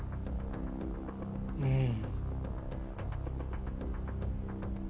うん